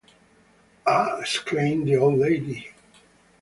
‘Ah!’ exclaimed the old lady.